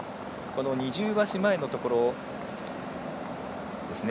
二重橋前のところですね。